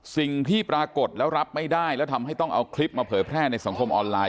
สิ่งที่ปรากฏแล้วรับไม่ได้แล้วทำให้ต้องเอาคลิปมาเผยแพร่ในสังคมออนไลน